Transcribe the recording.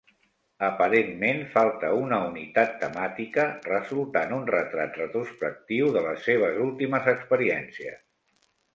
Aparentment falta una unitat temàtica, resultant un retrat retrospectiu de les seves últimes experiències.